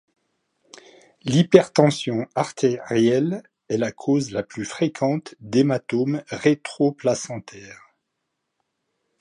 L'hypertension artérielle est la cause la plus fréquente d'hématome rétroplacentaire.